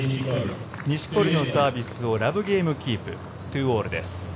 錦織のサービスをラブゲームキープ２−２です。